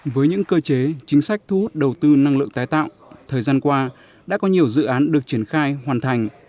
với những cơ chế chính sách thu hút đầu tư năng lượng tái tạo thời gian qua đã có nhiều dự án được triển khai hoàn thành